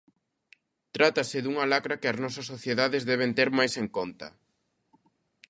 Trátase dunha lacra que as nosas sociedades deben ter máis en conta.